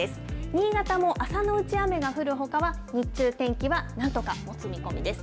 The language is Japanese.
新潟も朝のうち、雨が降るほかは、日中、天気はなんとかもつ見込みです。